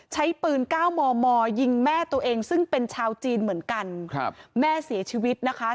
ใช้ปืนเก้ามอมอยิงแม่ตัวเองซึ่งเป็นชาวจีนเหมือนกันครับแม่เสียชีวิตนะคะ